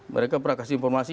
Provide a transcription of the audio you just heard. mereka pernah kasih informasi